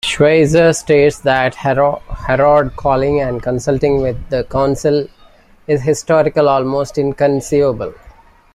Schweizer states that Herod calling and consulting with the council is historically almost inconceivable.